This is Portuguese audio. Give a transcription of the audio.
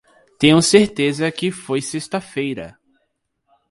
Tenho certeza que foi sexta-feira.